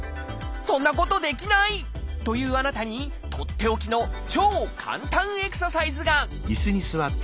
そんなことできない！というあなたにとっておきの超簡単エクササイズが！